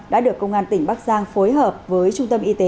đã được công an tỉnh bắc giang phối hợp với trung tâm y tế